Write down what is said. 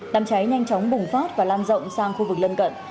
đám cháy nhanh chóng bùng phát và lan rộng sang khu vực lân cận